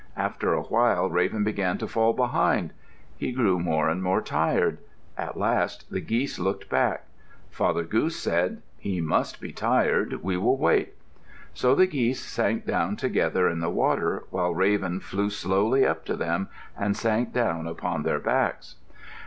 After a while, Raven began to fall behind. He grew more and more tired. At last the geese looked back. Father Goose said, "He must be tired. We will wait." So the geese sank down together in the water, while Raven flew slowly up to them and sank down upon their backs.